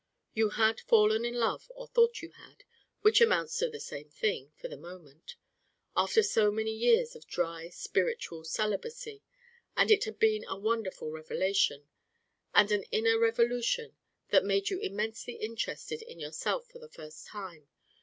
You had fallen in love or thought you had, which amounts to the same thing for the moment after so many years of dry spiritual celibacy, and it had been a wonderful revelation and an inner revolution that made you immensely interested in yourself for the first time.